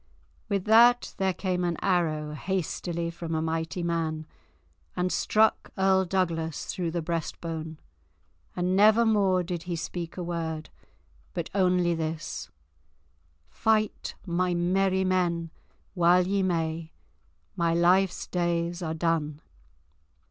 With that there came an arrow hastily from a mighty man, and struck Earl Douglas through the breast bone, and never more did he speak a word but only this: "Fight, my merry men, while ye may—my life's days are done."